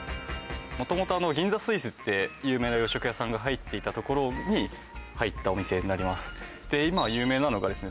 元々銀座スイスって有名な洋食屋さんが入っていたところに入ったお店になりますで今有名なのがですね